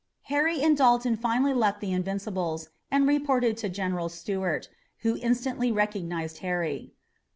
Harry and Dalton finally left the Invincibles and reported to General Stuart, who instantly recognized Harry.